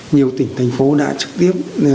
nhiều tỉnh thành phố đã trực tiếp